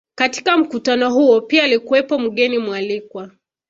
Katika mkutano huo pia alikuwepo mgeni mwalikwa